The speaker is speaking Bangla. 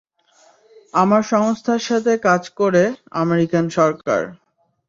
আমার সংস্থার সাথে কাজ করে, আমেরিকান সরকার।